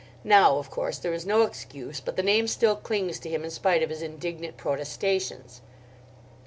Now, of course, there is no excuse; but the name still clings to him in spite of his indignant protestations.